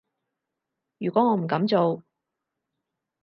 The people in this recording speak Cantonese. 如果我唔噉做